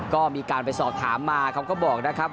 ก็มีการไปสอบถามมาเขาก็บอกนะครับ